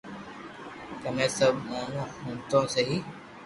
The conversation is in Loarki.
ڪني سب منو ھڻوتو سھي